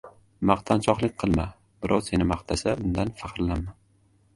— Maqtanchoqlik qilma, birov seni maqtasa, undan faxr¬lanma.